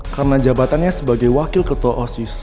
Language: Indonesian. karena jabatannya sebagai wakil ketua osius